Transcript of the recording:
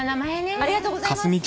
ありがとうございます。